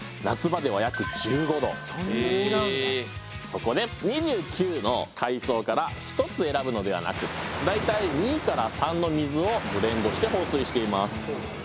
そこで２９の階層から１つ選ぶのではなく大体２から３の水をブレンドして放水しています。